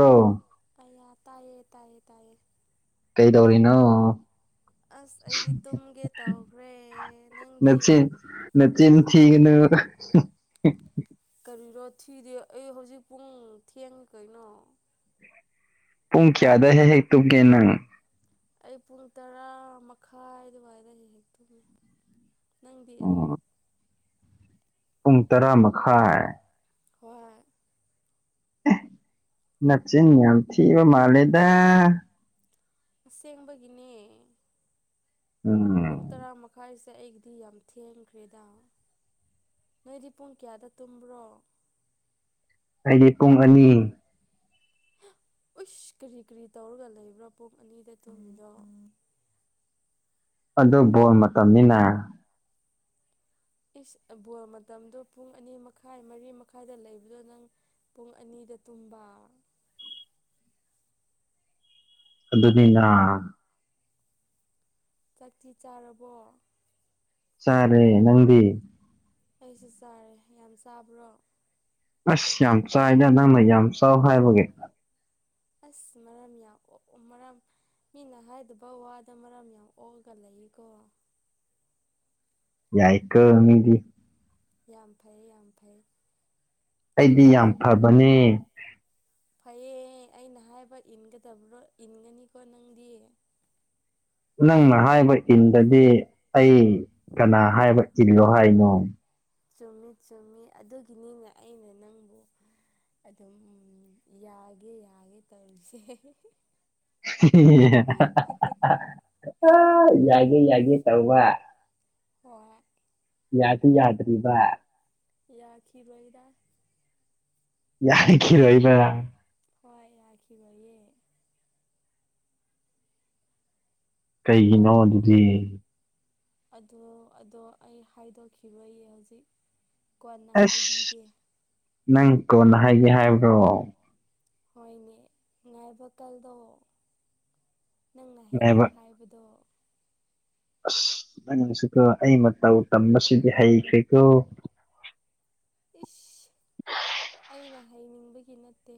꯭ꯔꯣ ꯑꯌꯥ ꯇꯥꯏꯌꯦ ꯇꯥꯏꯌꯦ ꯇꯥꯏꯌꯦ ꯀꯩꯗꯧꯔꯤꯅꯣ ꯑꯁ ꯑꯩꯗꯤ ꯇꯨꯝꯒꯦ ꯇꯧꯈ꯭ꯔꯦ ꯅꯪꯗꯤ ꯅꯆꯤꯟ ꯅꯆꯤꯟ ꯊꯤꯒꯅꯨ ꯀꯔꯤꯔꯣ ꯊꯤꯗꯦ ꯑꯩ ꯍꯧꯖꯤꯛ ꯄꯨꯡ ꯊꯦꯡꯉ ꯀꯩꯅꯣ ꯄꯨꯡ ꯀꯌꯥꯗ ꯍꯦꯛ ꯍꯦꯛ ꯇꯨꯝꯒꯦ ꯅꯪ ꯑꯩ ꯄꯨꯡ ꯇꯔꯥ ꯃꯈꯥꯏ ꯑꯗꯨꯋꯥꯏꯗ ꯍꯦꯛ ꯍꯦꯛ ꯇꯨꯝꯃꯤ ꯅꯪꯗꯤ ꯎꯝ ꯄꯨꯡ ꯇꯔꯥ ꯃꯈꯥꯏ ꯍꯣꯏ ꯅꯆꯤꯟ ꯌꯥꯝ ꯊꯤꯕ ꯃꯥꯜꯂꯦꯗ ꯑꯁꯦꯡꯕꯒꯤꯅꯦ ꯎꯝ ꯄꯨꯡ ꯇꯔꯥ ꯃꯈꯥꯏꯁꯦ ꯑꯩꯒꯤꯗꯤ ꯌꯥꯝ ꯊꯦꯝꯈ꯭ꯔꯦꯗ ꯅꯣꯏꯗꯤ ꯄꯨꯡ ꯀꯌꯥꯗ ꯇꯨꯝꯕ꯭ꯔꯣ ꯑꯩꯗꯤ ꯄꯨꯡ ꯑꯅꯤ ꯑꯨꯁ ꯀꯔꯤ ꯀꯔꯤ ꯇꯧꯔꯒ ꯂꯩꯕ꯭ꯔꯥ ꯄꯨꯡ ꯑꯅꯤꯗ ꯇꯨꯝꯃꯤꯗꯣ ꯑꯗꯨ ꯕꯣꯜ ꯃꯇꯝꯅꯤꯅ ꯏꯁ ꯕꯣꯜ ꯃꯇꯝꯗꯣ ꯄꯨꯡ ꯑꯅꯤ ꯃꯈꯥꯏ ꯃꯔꯤ ꯃꯈꯥꯏꯗ ꯂꯩꯕꯗꯣ ꯅꯪ ꯄꯨꯡ ꯑꯅꯤꯗ ꯇꯨꯝꯕ ꯑꯗꯨꯅꯤꯅ ꯆꯥꯛꯛꯇꯤ ꯆꯥꯔꯕꯣ ꯆꯥꯔꯦ ꯅꯪꯗꯤ ꯑꯩꯁꯨ ꯆꯥꯔꯦ ꯌꯥꯝ ꯆꯥꯕ꯭ꯔꯣ ꯑꯁ ꯌꯥꯝ ꯆꯥꯏꯗ ꯅꯪꯅ ꯌꯥꯝ ꯆꯥꯎ ꯍꯥꯏꯕꯒꯤ ꯑꯁ ꯃꯔꯝ ꯌꯥꯎ ꯑꯣ ꯃꯔꯝ ꯃꯤꯅ ꯍꯥꯏꯗꯕ ꯋꯥꯗ ꯃꯔꯝ ꯌꯥꯝ ꯑꯣꯛꯑꯒ ꯂꯩꯌꯦꯀꯣ ꯌꯥꯏꯀꯣ ꯃꯤꯗꯤ ꯌꯥꯝ ꯐꯩ ꯌꯥꯝ ꯐꯩ ꯑꯩꯅ ꯑꯩꯗꯤ ꯌꯥꯝ ꯍꯥꯏ ꯐꯕꯅꯦ ꯐꯩꯌꯦ ꯑꯩꯅ ꯍꯥꯏꯕ ꯏꯟꯒꯗꯕ꯭ꯔꯣ ꯏꯟꯒꯅꯤꯀꯣ ꯅꯪꯗꯤ ꯅꯪꯅ ꯍꯥꯏꯕ ꯏꯟꯗꯗꯤ ꯑꯩ ꯀꯅꯥ ꯍꯥꯏꯕ ꯏꯜꯂꯣ ꯍꯥꯏꯅꯣ ꯆꯨꯝꯃꯤ ꯆꯨꯝꯃꯤ ꯑꯗꯨꯒꯤꯅꯤꯅ ꯑꯩꯅ ꯅꯪꯕꯨ ꯑꯗꯨꯝ ꯌꯥꯒꯦ ꯌꯥꯒꯦ ꯇꯧꯔꯤꯁꯦ [unintelligible] ꯌꯥꯒꯦ ꯌꯥꯒꯦ ꯇꯧꯕ ꯍꯣꯏ ꯌꯥꯗꯤ ꯌꯥꯗ꯭ꯔꯤꯕꯔꯤꯕ ꯌꯥꯈꯤꯔꯣꯏꯗ ꯌꯥꯈꯤꯔꯣꯏꯕ ꯍꯣꯏ ꯌꯥꯈꯤꯔꯣꯏꯌꯦ ꯀꯩꯒꯤꯅꯣ ꯇꯥꯕ꯭ꯔꯣ ꯑꯗꯨꯗꯤ ꯑꯗꯣ ꯑꯗꯣ ꯑꯩ ꯍꯥꯏꯗꯣꯛꯔꯣꯏꯌꯦ ꯍꯧꯖꯤꯛ ꯀꯣꯟꯅ ꯑꯩꯁ ꯍꯥꯏꯕꯤꯒꯦ ꯅꯪ ꯀꯣꯟꯅ ꯍꯥꯏꯒꯦ ꯍꯥꯏꯕ꯭ꯔꯣ ꯍꯣꯏꯅꯦ ꯉꯥꯏꯕ ꯀꯜꯂꯣ ꯅꯪꯅ ꯍꯦꯛ ꯍꯥꯏꯕ ꯍꯦꯛ ꯍꯥꯏꯕꯗꯣ ꯑꯁ ꯅꯪꯁꯨꯀꯣ ꯑꯩ ꯃꯇꯧ ꯇꯝꯕꯁꯤꯗꯤ ꯍꯩꯈ꯭ꯔꯦꯀꯣ ꯏꯁ ꯑꯩꯅ ꯍꯥꯏꯅꯤꯡꯕꯒꯤ ꯅꯠꯇꯦ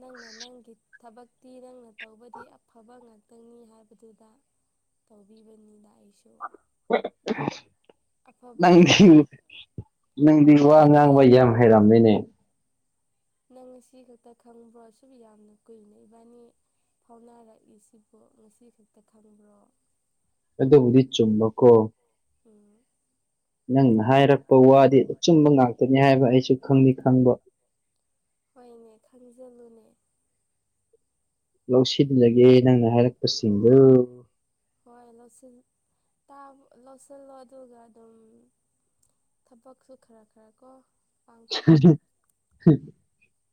ꯅꯪꯅ ꯅꯪꯒꯤ ꯊꯕꯛꯇꯤ ꯅꯪꯅ ꯇꯧꯕꯗꯤ ꯑꯐꯕ ꯉꯥꯛꯇꯅꯤ ꯍꯥꯏꯕꯗꯨꯗ ꯇꯧꯕꯤꯕꯅꯤꯗ ꯑꯩꯁꯨ [unintelligible] ꯑꯐꯕꯗꯤ ꯅꯪꯗꯤ ꯅꯪꯗꯤ ꯋꯥ ꯑꯐꯕꯗꯤ ꯉꯥꯡꯕ ꯌꯥꯝ ꯍꯩꯔꯝꯃꯦꯅꯦ ꯅꯪ ꯉꯁꯤ ꯈꯛꯇ ꯈꯪꯕ꯭ꯔꯣ ꯁꯨ ꯌꯥꯝꯅ ꯀꯨꯏꯅ ꯏꯕꯥꯅꯤ ꯐꯥꯎꯅꯔꯛꯏꯁꯤꯕꯨ ꯉꯁꯤ ꯈꯛꯇ ꯈꯪꯕ꯭ꯔꯣ ꯑꯗꯨꯕꯨꯗꯤ ꯆꯨꯝꯕꯀꯣ ꯎꯝ ꯅꯪꯅ ꯍꯥꯏꯔꯛꯄ ꯋꯥꯗꯤ ꯑꯆꯨꯝꯕ ꯉꯥꯛꯇꯅꯤ ꯍꯥꯏꯕ ꯑꯩꯁꯨ ꯈꯪꯗꯤ ꯈꯪꯕ ꯍꯣꯏꯅꯦ ꯈꯪꯖꯜꯂꯨꯅꯦ ꯂꯧꯁꯤꯟꯖꯒꯦ ꯅꯪꯅ ꯍꯥꯏꯔꯛꯄꯁꯤꯡꯗꯣ ꯍꯣꯏ ꯂꯧꯁꯤꯜ ꯇꯥꯕ ꯂꯧꯁꯤꯜꯂꯣ ꯑꯗꯨꯒ ꯑꯗꯨꯝ ꯊꯕꯛꯁꯨ ꯈꯔ ꯈꯔ ꯀꯣ ꯄꯥꯡꯊꯣꯛꯑꯣ [unintelligible]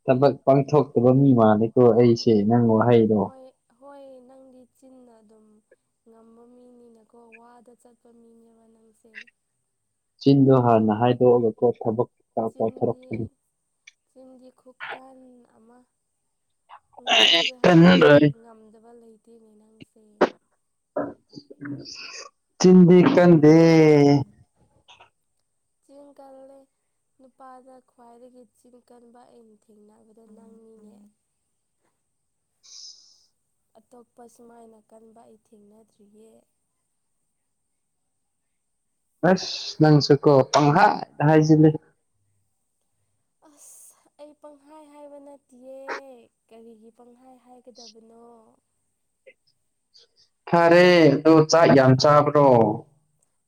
ꯊꯕꯛ ꯄꯥꯡꯊꯣꯛꯇꯕ ꯃꯤ ꯃꯥꯜꯂꯦꯀꯣ ꯑꯩꯁꯦ ꯅꯪ ꯋꯥꯍꯩꯗꯣ ꯍꯣꯏ ꯍꯣꯏ ꯅꯪꯗꯤ ꯆꯤꯟꯅ ꯑꯗꯨꯝ ꯉꯝꯕ ꯃꯤꯅꯤꯅꯀꯣ ꯋꯥꯗ ꯆꯠꯄ ꯃꯤꯅꯦꯕ ꯅꯪꯁꯦ ꯆꯤꯟꯗꯣ ꯍꯥꯟꯅ ꯍꯥꯏꯗꯣꯛꯑꯒꯀꯣ ꯊꯕꯛꯇꯥ ꯆꯤꯟꯗꯤ ꯇꯧꯊꯣꯔꯛꯄꯅꯦ ꯆꯤꯟꯗꯤ ꯈꯨꯀꯟ ꯑꯃ ꯉꯥꯡꯒꯦ ꯍꯥꯏꯔꯗꯤ ꯀꯟꯔꯣꯏ ꯉꯝꯗꯕ ꯂꯩꯇꯦꯅꯦ ꯅꯪꯁꯦ ꯆꯤꯟꯗꯤ ꯀꯟ ꯆꯤꯟ ꯀꯜꯂꯦ ꯅꯨꯄꯥꯗ ꯈ꯭ꯋꯥꯏꯗꯒꯤ ꯆꯤꯟ ꯀꯟꯕ ꯑꯩꯅ ꯊꯦꯡꯅꯕꯗ ꯅꯪꯅꯤꯅꯦ ꯑꯇꯣꯞꯄ ꯁꯨꯃꯥꯏꯅ ꯀꯟꯕ ꯑꯩ ꯊꯦꯡꯅꯗ꯭ꯔꯤꯌꯦ ꯑꯁ ꯅꯪꯁꯨꯀꯣ ꯄꯪꯍꯥꯏꯗ ꯍꯥꯏꯖꯤꯜꯂꯦ ꯑꯁ ꯑꯩ ꯄꯪꯍꯥꯏ ꯍꯥꯏꯕ ꯅꯠꯇꯤꯌꯦ ꯀꯔꯤꯒꯤ ꯄꯪꯍꯥꯏ ꯍꯥꯏꯒꯗꯕꯅꯣ ꯐꯔꯦ ꯑꯗꯣ ꯆꯥꯛ ꯌꯥꯝ ꯆꯥꯕꯔꯣ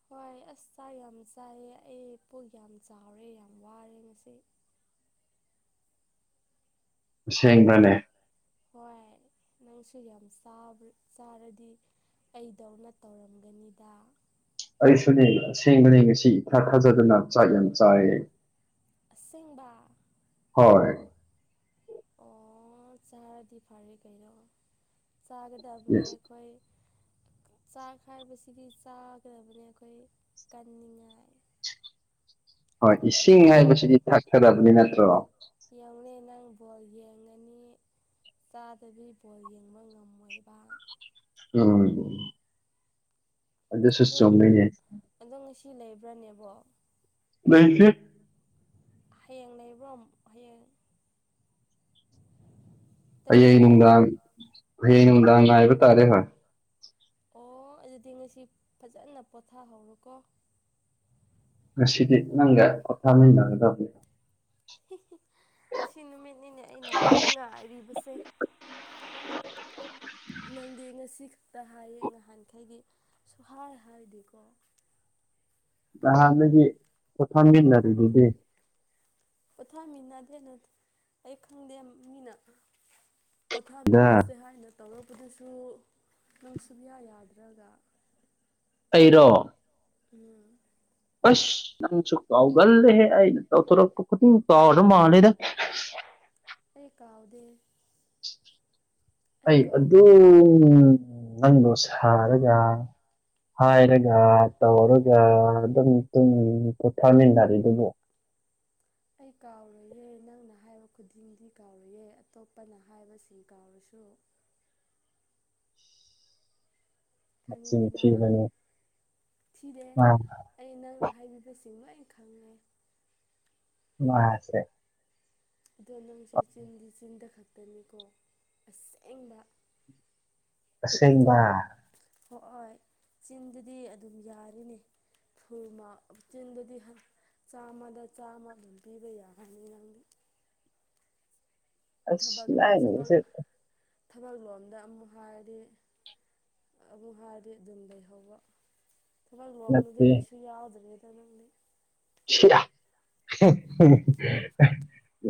ꯍꯣꯏ ꯑꯁ ꯆꯥꯛ ꯌꯥꯝ ꯆꯥꯏꯌꯦ ꯑꯩ ꯄꯨꯛ ꯌꯥꯝ ꯆꯥꯎꯔꯦ ꯌꯥꯝ ꯋꯥꯔꯦ ꯉꯁꯤ ꯅꯪꯗꯤ ꯑꯁꯦꯡꯕꯅꯦ ꯍꯣꯏ ꯅꯪꯁꯨ ꯌꯥꯝ ꯆꯥꯕꯔ ꯆꯥꯔꯗꯤ ꯑꯩꯗꯧꯅ ꯇꯧꯔꯝꯒꯅꯤꯗꯥ ꯑꯩꯁꯨꯅꯦ ꯑꯁꯦꯡꯕꯅꯦ ꯉꯁꯤ ꯏꯊꯥ ꯊꯥꯖꯗꯅ ꯆꯥꯛ ꯌꯥꯝ ꯆꯥꯏꯌꯦ ꯑꯁꯦꯡꯕꯥ ꯍꯣꯏ ꯑꯣ ꯆꯥꯔꯗꯤ ꯐꯔꯦ ꯀꯩꯅꯣ ꯆꯥꯒꯗꯕꯅꯦ ꯑꯩꯈꯣꯏ ꯆꯥꯛ ꯍꯥꯏꯕꯁꯤꯗꯤ ꯆꯥꯒꯗꯕꯅꯦ ꯑꯩꯈꯣꯏ ꯀꯟꯅꯤꯡꯉꯥꯏ ꯍꯣꯏ ꯏꯁꯤꯡ ꯀꯣ ꯍꯥꯏꯕꯁꯤꯗꯤ ꯊꯛꯀꯗꯕꯅꯦ ꯅꯠꯇ꯭ꯔꯣ ꯌꯦꯡꯅꯦ ꯅꯪ ꯕꯣꯜ ꯌꯦꯡꯉꯅꯤ ꯆꯥꯗꯗꯤ ꯕꯣꯜ ꯌꯦꯡꯕ ꯉꯝꯃꯣꯏꯕꯥ ꯎꯝ ꯑꯗꯨꯁꯨ ꯑꯗꯣ ꯆꯨꯝꯃꯤꯅꯦ ꯑꯗꯣ ꯉꯁꯤ ꯂꯩꯕ꯭ꯔꯅꯦꯕꯣ ꯂꯩꯈꯤ ꯍꯌꯦꯡ ꯂꯩꯕ꯭ꯔꯣ ꯍꯌꯦꯡ ꯇꯔꯦꯠ ꯍꯌꯦꯡ ꯀꯌꯥꯗ ꯅꯨꯡꯗꯥꯡ ꯍꯌꯦꯡ ꯅꯨꯡꯗꯥꯡ ꯉꯥꯏꯕ ꯇꯥꯔꯦ ꯍꯣꯏ ꯑꯣ ꯑꯗꯨꯗꯤ ꯉꯁꯤ ꯐꯖꯅ ꯄꯣꯊꯥꯍꯧꯔꯣꯀꯣ ꯉꯁꯤꯗꯤ ꯅꯪꯒ ꯍꯞꯇꯥꯥ ꯃꯒꯗꯧ ꯑꯁꯤ ꯅꯨꯃꯤꯠꯅꯤꯅꯦ ꯑꯩꯅ ꯉꯥꯏꯔꯤꯕꯁꯦ ꯑ [unintelligible] ꯅꯪꯗꯤ ꯉꯁꯤ ꯈꯛꯇ ꯍꯥꯏꯌꯦ ꯅꯍꯥꯟꯈꯩꯒꯤ ꯁꯨꯍꯥꯏꯔ ꯍꯥꯏꯗꯤꯀꯣ ꯑꯜꯗꯒꯤ ꯄꯨꯊꯝꯂꯔ ꯑꯗꯨꯗꯤ ꯄꯣꯊꯥꯃꯤꯟꯅꯗꯦ ꯑꯩ ꯈꯪꯗꯦ ꯃꯤꯅ ꯗ ꯄꯣꯊꯥꯃꯤꯟꯅꯁꯦ ꯍꯥꯏꯅ ꯇꯧꯔꯛꯄꯗꯨꯁꯨ ꯅꯨꯡ ꯁꯨꯡꯌꯥ ꯌꯥꯗ꯭ꯔꯒ ꯑꯩꯔꯣ ꯎꯝ ꯑꯁ ꯅꯪꯁꯨ ꯀꯥꯎꯒꯜꯂꯦꯍꯦ ꯑꯩꯅ ꯇꯧꯊꯣꯔꯛꯄ ꯈꯨꯗꯤꯡ ꯀꯥꯎꯔꯗ ꯃꯥꯜꯂꯦꯗ ꯑꯩ ꯀꯥꯎꯗ ꯑꯩ ꯑꯗꯨ ꯀꯥꯎꯔꯣꯏꯌꯦ ꯎꯝ ꯅꯪꯗꯣ ꯁꯥꯔꯒ ꯍꯥꯏꯔꯒ ꯇꯧꯔꯒ ꯑꯗꯨꯝ ꯄꯣꯊꯥꯃꯤꯟꯅꯔꯤꯗꯨꯕꯨꯣ ꯑꯩ ꯀꯥꯎꯔꯌꯦ ꯅꯪꯅ ꯍꯥꯏꯕ ꯈꯨꯗꯤꯡꯗꯤ ꯀꯥꯎꯔꯌꯦ ꯑꯇꯣꯞꯄꯅ ꯍꯥꯏꯕꯁꯤ ꯀꯥꯎꯔꯁꯨ ꯃꯆꯤꯟ ꯈꯪꯉꯗꯅ ꯊꯤꯕꯅꯤ ꯊꯤꯔꯦ ꯃꯥ ꯑꯩ ꯅꯪꯅ ꯍꯥꯏꯕꯤꯕꯕꯁꯤꯃ ꯑꯩ ꯈꯪꯉꯦ ꯎꯝ ꯃꯥꯁꯦ ꯑꯗꯣ ꯅꯪꯁꯦ ꯆꯤꯟꯗꯤ ꯆꯤꯟꯗ ꯈꯛꯇꯅꯤꯀꯣ ꯑꯁꯦꯡꯕ ꯑꯁꯦꯡꯕ ꯍꯣꯏꯣꯏ ꯆꯤꯟꯗꯗꯤ ꯑꯗꯨꯝ ꯌꯥꯔꯤꯅꯦ ꯊꯨꯃ ꯆꯤꯟꯗꯗꯤ ꯆꯥꯝꯃꯗ ꯆꯥꯝꯃ ꯑꯗꯨꯝ ꯄꯤꯕ ꯌꯥꯔꯅꯤ ꯅꯪꯗꯤ ꯊꯕꯛ ꯑꯁ ꯂꯥꯏꯔꯕꯁꯦ ꯊꯕꯛ ꯂꯣꯝꯗ ꯑꯃꯨꯛ ꯍꯥꯏꯔꯗꯤ ꯑꯃꯨꯛ ꯍꯥꯏꯔꯗꯤ ꯑꯗꯨꯝ ꯂꯩꯍꯧꯕ ꯊꯕꯛ ꯂꯣꯝꯗꯗꯤ ꯅꯠꯇꯦ ꯀꯩꯁꯨ ꯌꯥꯎꯗ꯭ꯔꯦꯗ ꯅꯪꯗꯤ ꯁꯤꯌꯥ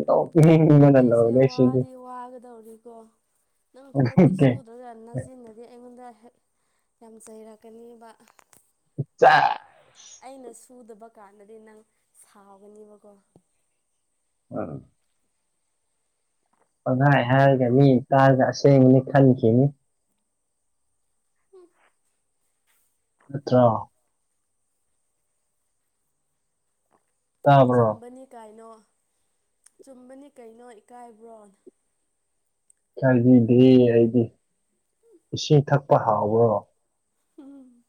ꯅꯣꯛ ꯅꯤꯡꯕꯥꯅꯥ ꯂꯣꯏꯔꯦ ꯁꯤꯗꯤ ꯗꯣ ꯋꯥꯒꯗꯣꯔꯦꯀꯣ ꯅꯪ ꯊꯕꯛꯇꯤ ꯁꯨ ꯑꯗꯨꯒ ꯅꯆꯤꯟꯅꯗꯤ ꯑꯩꯉꯣꯟꯗ ꯍꯦꯛ ꯌꯥꯝ ꯆꯩꯔꯛꯀꯅꯤꯕ ꯆ [unintelligible] ꯑꯩꯅ ꯁꯨꯗꯕ ꯀꯥꯟꯗꯗꯤ ꯅꯪ ꯁꯥꯎꯒꯅꯦꯕꯀꯣ ꯍ [unintelligible] ꯄꯪꯈꯥꯏ ꯍꯥꯏꯔꯒ ꯃꯤ ꯇꯥꯔꯒ ꯑꯁꯦꯡꯕꯅꯤ ꯈꯟꯈꯤꯅꯤ ꯍꯝ ꯅꯠꯇ꯭ꯔꯣ ꯇꯥꯕ꯭ꯔꯣ ꯆꯨꯝꯕꯅꯤ ꯀꯥꯏꯅꯣ ꯆꯨꯝꯕꯅꯤ ꯀꯩꯅꯣ ꯏꯀꯥꯏꯕ꯭ꯔꯣ ꯏꯀꯥꯏꯕꯤꯗꯤꯌꯦ ꯑꯩꯗꯤ ꯏꯁꯤꯡ ꯊꯛꯄ ꯍꯥꯎꯕ꯭ꯔꯣ ꯎꯝ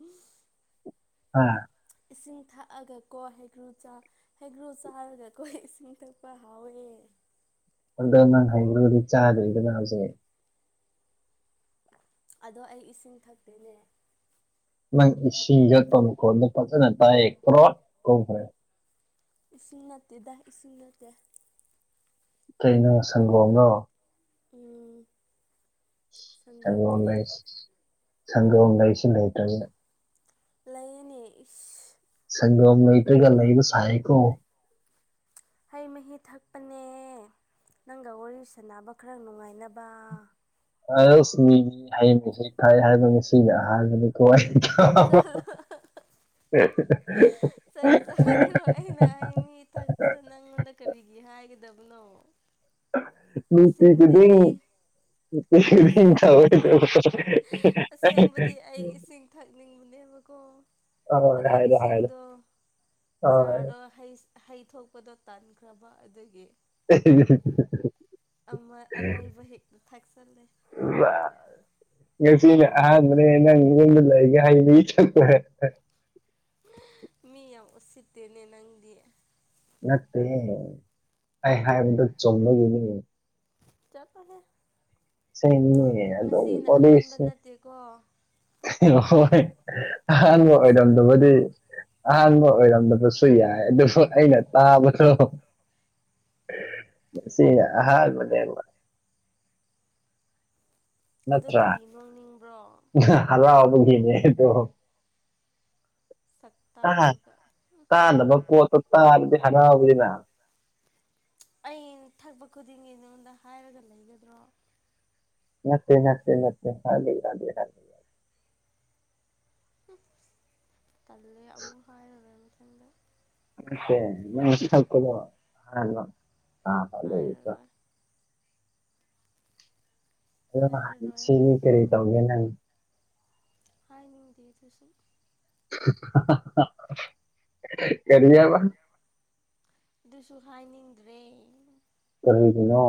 ꯑ ꯏꯁꯤꯡ ꯊꯛꯑꯒꯀꯣ ꯍꯩꯒ꯭ꯔꯨ ꯆꯥ ꯍꯩꯒ꯭ꯔꯨ ꯆꯥꯔꯒ ꯀꯣꯏ ꯏꯁꯤꯡ ꯊꯛꯄ ꯍꯥꯎꯋꯦ ꯑꯗꯣ ꯅꯪ ꯍꯥꯏꯅꯤꯡꯒꯗꯤ ꯆꯥꯗ꯭ꯔꯤꯗꯅ ꯍꯧꯖꯤꯛ ꯑꯗꯣ ꯑꯩ ꯏꯁꯤꯡ ꯊꯛꯇꯦꯅꯦ ꯅꯪ ꯏꯁꯤꯡ ꯌꯣꯠꯄ ꯃꯈꯣꯟꯗꯣ ꯐꯖꯅ ꯇꯥꯏꯌꯦꯛ ꯀ꯭ꯔꯣ ꯀꯧꯈ꯭ꯔꯦ ꯏꯁꯤꯡ ꯅꯠꯇꯦꯗ ꯏꯁꯤꯡ ꯅꯠꯇꯦ ꯀꯩꯅꯣ ꯁꯪꯒꯣꯝꯂꯣ ꯎꯝ ꯁꯪꯒꯣꯝ ꯁꯪꯒꯣꯝꯅꯦ ꯂꯩꯁ ꯁꯪꯒꯣꯝ ꯂꯩꯁꯨ ꯂꯩꯇꯔꯕ ꯂꯩꯌꯦꯅꯦ ꯏꯁ ꯁꯪꯒꯣꯝ ꯂꯩꯇ꯭ꯔꯒ ꯂꯩꯕ ꯁꯥꯏꯀꯣ ꯍꯩ ꯃꯍꯤ ꯊꯛꯄꯅꯦ ꯅꯪꯒ ꯋꯥꯔꯤ ꯁꯥꯟꯅꯕ ꯈꯔ ꯅꯨꯡꯉꯥꯏꯅꯕ ꯑꯁ ꯃꯤꯒꯤ ꯍꯩ ꯃꯍꯤ ꯊꯛꯑꯦ ꯍꯥꯏꯕ ꯉꯁꯤꯒꯤ ꯑꯍꯥꯟꯕꯅꯤ ꯍꯣꯏ ꯆꯠꯂꯣ ꯆꯩ ꯆꯥꯒꯦꯔꯣ ꯑꯩꯅ ꯍꯩ ꯃꯍꯤ ꯊꯛꯄꯗ ꯅꯪꯉꯣꯟꯗ ꯀꯔꯤꯒꯤ ꯍꯥꯏꯒꯗꯕꯅꯣ ꯑꯁꯦꯡꯕꯗꯤ ꯂꯩꯇꯦꯗꯨꯗꯤ ꯑꯩ ꯑꯁꯦ ꯆ ꯑꯁꯦꯡꯕꯗꯤ [unintelligible] ꯑꯩ ꯏꯁꯤꯡ ꯊꯛꯅꯤꯡꯕꯅꯦꯕꯀꯣ ꯍꯣꯏ ꯑꯗꯣ ꯍꯥꯏꯔꯣ ꯍꯥꯏꯔꯣ ꯏꯁꯤꯡꯗꯣ ꯍꯣꯏ ꯖꯥꯔꯗꯣ ꯍꯩ ꯍꯩ ꯊꯣꯛꯄꯗꯣ ꯇꯥꯟꯈ꯭ꯔꯕ ꯑꯗꯒꯤ ꯎ [unintelligible] ꯑꯃ ꯑꯔꯩꯕ ꯍꯦꯛꯇ ꯊꯥꯛꯆꯜꯂꯦ ꯋꯥ ꯉꯁꯤꯅꯦ ꯑꯍꯥꯟꯕꯅꯦ ꯅꯪ ꯉꯣꯟꯗ ꯂꯩꯒ ꯍꯩ ꯃꯍꯤ ꯊꯛꯄ ꯃꯤ ꯌꯥꯝ ꯎꯁꯤꯠꯇꯦꯅꯦ ꯅꯪꯗꯤ ꯅꯠꯇꯦ ꯑꯩ ꯍꯥꯏꯕꯗ ꯆꯨꯝꯕꯒꯤꯅꯤ ꯆꯊꯣꯍꯦ ꯑꯁꯦꯡꯕꯅꯦ ꯑꯗꯨꯝ ꯉꯁꯤꯅ ꯑꯍꯥꯟꯕ ꯋꯥꯔꯤꯁꯦ ꯅꯠꯇꯦꯀꯣ ꯍꯣꯏ ꯑꯍꯥꯟꯕ ꯍꯩꯄꯥ ꯁꯥꯒꯅꯨ ꯑꯣꯏꯔꯝꯗꯕꯗꯤ ꯑꯍꯥꯟꯕ ꯑꯣꯏꯔꯝꯗꯕꯁꯨ ꯌꯥꯏ ꯑꯗꯨꯕꯨ ꯑꯩꯅ ꯇꯥꯕꯗꯣ ꯁꯤ ꯑꯍꯥꯟꯕꯅꯦꯕ ꯑꯗꯣ ꯅꯠꯇ꯭ꯔ ꯀꯔꯤ ꯅꯣꯛꯅꯤꯡꯕ꯭ꯔꯣ ꯍꯔꯥꯎꯕꯒꯤꯅꯦꯗꯣ ꯁꯛꯇꯥ ꯗꯨꯒ ꯇꯥꯅꯕ ꯄꯣꯠꯇꯣ ꯇꯥꯔꯗꯤ ꯍꯔꯥꯎꯋꯤꯅ [unintelligible] [inaudible] ꯑ ꯊꯛꯄ ꯈꯨꯗꯤꯡꯒꯤ ꯅꯉꯣꯟꯗ ꯍꯥꯏꯔꯒ ꯂꯩꯒꯗ꯭ꯔꯣ ꯅꯠꯇꯦ ꯅꯠꯇꯦ ꯅꯠꯇꯦ [unintelligible] ꯍꯨꯝꯝ ꯇꯜꯂꯦ ꯑꯃꯨꯛ ꯍꯥꯏꯔꯔꯣꯏ ꯃꯊꯥꯡꯗ ꯑꯦ ꯅꯪꯅ ꯊꯛꯄꯗꯣ [unintelligible] ꯍꯥꯏꯔꯔꯣꯏ ꯑꯂꯣ ꯍꯥꯏꯔꯔꯣꯏ ꯁꯤ ꯀꯔꯤ ꯇꯧꯒꯦ ꯅꯪ ꯍꯥꯏ ꯅꯤꯡꯗꯤ ꯆꯁꯨ ꯀꯔꯤ ꯍꯥꯏꯕ ꯑꯗꯨꯁꯨ ꯍꯥꯏꯅꯤꯡꯗ꯭ꯔꯦ ꯀꯁꯤ ꯅ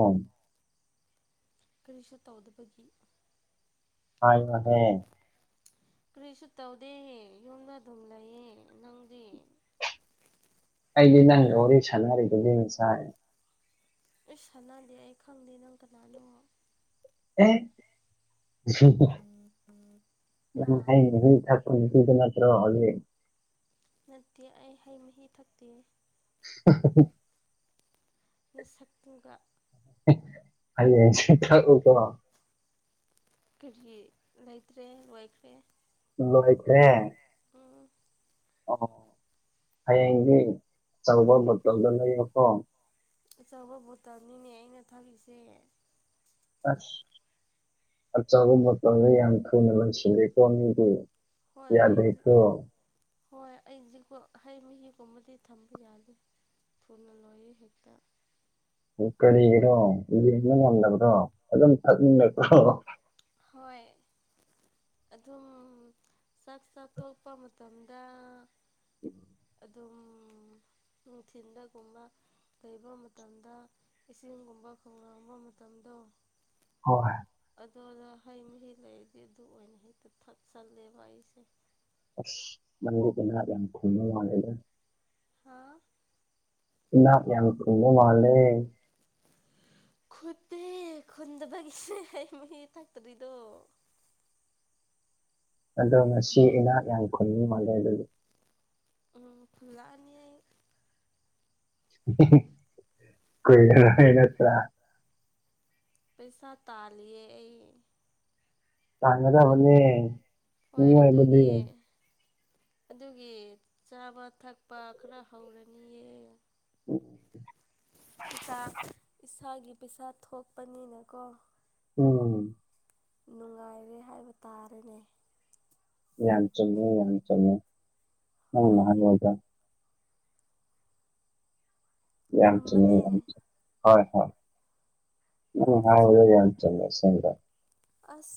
ꯀꯔꯤꯁꯨ ꯇꯧꯗꯕꯒꯤ ꯍ ꯃꯅꯦꯦ ꯀꯔꯤꯁꯨ ꯇꯧꯗꯦꯍꯦ ꯌꯨꯝꯗ ꯑꯗꯨꯝ ꯂꯩꯌꯦꯦ ꯅꯪꯗꯦ ꯑꯩꯗꯤ ꯅꯪ ꯌꯧꯔꯤ ꯁꯅꯥꯔꯗ ꯂꯩꯁꯥꯏ ꯏꯁ ꯁꯥꯟꯅꯗꯦ ꯑꯩ ꯈꯪꯗꯦ ꯅꯪ ꯀꯅꯥꯅꯣ ꯑꯦ ꯍꯥ ꯍ ꯊ ꯗꯅꯠꯇꯣ ꯍꯧꯦ ꯅꯠꯇꯦ ꯑꯩ ꯍꯩ ꯃꯍꯤ ꯊꯛꯇꯦ [unintelligible] ꯅ ꯁꯛꯇꯨꯒ ꯍꯥꯏ ꯆ ꯊ ꯀꯣ ꯀꯔꯤ ꯂꯩꯇ꯭ꯔꯦ ꯂꯣꯏꯈ꯭ꯔꯦ ꯂꯣꯏꯁꯦ ꯎꯝ ꯑꯣ ꯍꯌꯦꯡꯗꯤ ꯑꯆꯧꯕ ꯃꯇꯣꯜꯗꯣ ꯂꯩꯕꯀꯣ ꯑꯆꯧꯕ ꯕꯣꯇꯜꯅꯤꯅꯦ ꯑꯩꯅ ꯊꯝꯂꯤꯁꯦ ꯑꯁ ꯑꯆꯧꯕ ꯃꯇꯝꯗ ꯌꯥꯝ ꯊꯨꯅ ꯂ ꯁꯤꯂꯦꯀꯣ ꯃꯤꯒꯤ ꯍꯣꯏ ꯑꯩ ꯍꯣꯏ ꯑꯩꯁꯤ ꯍꯩ ꯃꯍꯤꯒꯨꯝꯕꯗꯤ ꯊꯝꯕ ꯌꯥꯗꯦ ꯊꯨꯅ ꯂꯣꯏꯌꯦ ꯍꯦꯛꯇ ꯀꯔꯤꯒꯤꯅꯣ ꯌꯦꯡꯕ ꯉꯝꯕ꯭ꯔꯣ ꯑꯗꯨꯝ ꯊꯛꯃꯤꯟꯅꯕ꯭ꯔꯣ ꯍꯣꯏ ꯑꯗꯨꯝ ꯆꯥꯛ ꯆꯊꯣꯛꯄ ꯃꯇꯝꯗ ꯎꯝ ꯑꯗꯨꯝ ꯅꯨꯡꯊꯤꯟꯗꯒꯨꯝꯕ ꯂꯩꯩꯕ ꯃꯇꯝꯗ ꯏꯁꯤꯡꯒꯨꯝꯕ ꯈꯣꯡꯅꯥꯕ ꯃꯇꯝꯗꯣ ꯍꯣꯏ ꯑꯗꯨꯗ ꯍꯩ ꯃꯍꯤ ꯂꯩꯔꯗꯤ ꯑꯗꯨ ꯑꯣꯏꯅ ꯍꯦꯛꯇ ꯊꯠꯆꯜꯂꯦꯕ ꯑꯩꯁꯦ ꯑꯁ ꯅꯪꯒꯗꯅ ꯌꯥꯝ ꯈꯨꯝꯅ ꯃꯥꯂꯦꯗ ꯍꯥꯥ ꯏ ꯌꯥꯝ ꯀ ꯏꯅ ꯃꯥꯜꯂꯤ ꯈꯠꯇꯦ ꯈꯨꯟꯕꯒꯤꯁꯦ ꯃ ꯊꯥꯛꯇꯔꯤꯗꯣ ꯑꯗꯣ ꯉꯁꯤ ꯏꯅꯥꯠ ꯌꯥꯝ ꯈꯨꯟꯅꯤ ꯃꯥꯜꯂꯦ ꯑꯗꯨꯗꯤ ꯎꯝ ꯐꯨꯂꯅꯤ ꯀꯣꯏ ꯅꯠꯇ ꯄꯩꯁꯥ ꯇꯥꯜꯂꯤ ꯑꯩ ꯇꯥꯟꯒꯗꯕꯅꯦ ꯍꯣꯏ ꯃꯤꯑꯣꯏꯕꯗꯤ ꯑꯗꯨꯒꯤ ꯑꯗꯨꯒꯤ ꯆꯥꯕ ꯊꯛꯄ ꯈꯔ ꯍꯧꯔꯅꯤꯌꯦ ꯎꯝ ꯍꯇꯥ ꯏꯁꯥꯒꯤ ꯄꯩꯁꯥ ꯊꯣꯛꯄꯅꯤꯅ ꯀꯣ ꯎꯝ ꯅꯨꯡꯉꯥꯏꯔꯦ ꯍꯥꯏꯕ ꯇꯥꯔꯦꯅꯦ ꯌꯥꯟ ꯆꯨꯝꯃꯦ ꯌꯦꯟ ꯆꯃꯦ ꯅꯅ ꯍꯣꯏ ꯍꯒ ꯌꯥꯝꯇ ꯆꯨꯝꯕꯅꯦ ꯍ ꯍ ꯅꯪꯗꯤ ꯆꯨꯝ ꯑꯁ